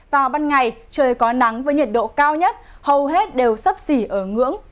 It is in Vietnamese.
và ban ngày trời có nắng với nhiệt độ cao nhất hầu hết đều sấp xỉ ở ngưỡng ba mươi ba